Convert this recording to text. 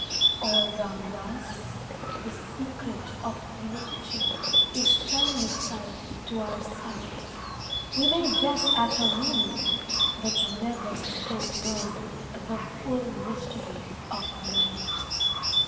All round us the secret of Nature Is telling itself to our sight, We may guess at her meaning but never Can know the full mystery of night.